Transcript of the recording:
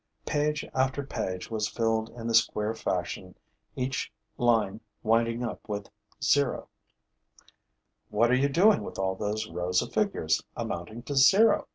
Page after page was filled in this queer fashion, each line winding up with 0. 'What are you doing with all those rows of figures amounting to zero?'